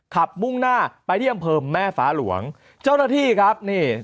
ขับมุ่งหน้าไปเรียงเพิ่มแม่ฝาหลวงเจ้าหน้าที่ครับนี่